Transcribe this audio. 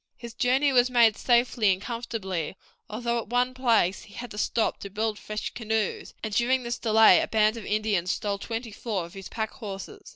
His journey was made safely and comfortably, although at one place he had to stop to build fresh canoes, and during this delay a band of Indians stole twenty four of his packhorses.